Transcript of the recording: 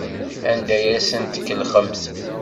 Anda ay asen-tkellxemt?